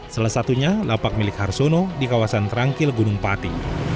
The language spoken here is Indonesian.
salah satunya lapak milik harsono di kawasan terangkil gunung pati